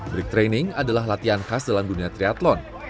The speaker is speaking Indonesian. break training adalah latihan khas dalam dunia triathlon